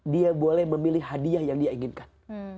dia boleh memilih hadiah yang dia inginkan